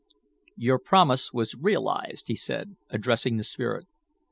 "Your promise was realized," he said, addressing the spirit.